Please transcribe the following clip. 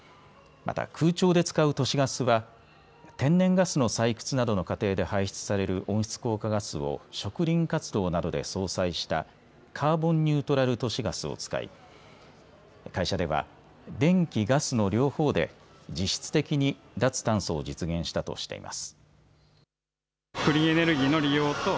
また空調で使う都市ガスは天然ガスの採掘などの過程で排出される温室効果ガスを植林活動などで相殺したカーボンニュートラル都市ガスを使い、会社では電気、ガスの両方で実質的に脱炭素を実現したとしています。